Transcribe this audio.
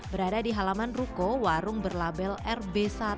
berada di halaman ruko warung berlabel rb satu